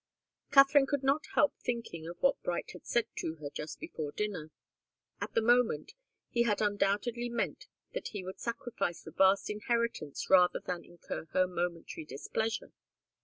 Katharine could not help thinking of what Bright had said to her just before dinner. At the moment, he had undoubtedly meant that he would sacrifice the vast inheritance rather than incur her momentary displeasure.